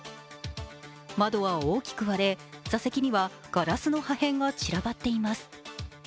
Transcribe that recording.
窓は大きく割れ、座席にはガラスの破片が散らばっています。